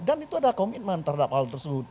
dan itu ada komitmen terhadap hal tersebut